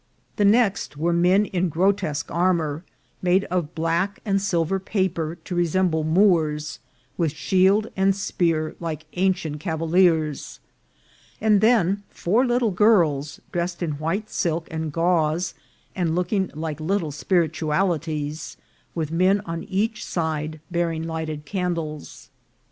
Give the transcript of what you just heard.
The next were men in grotesque armour, made of black and silver paper, to resemble Moors, with shield and spear like ancient cav aliers ; and then four little girls, dressed in white silk and gauze, and looking like little spiritualities, with men on each side bearing lighted candles.